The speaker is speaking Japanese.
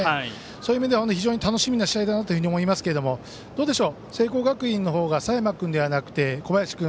そういう意味では非常に楽しみな試合だなと思いますが聖光学院のほうが佐山君ではなくて小林君。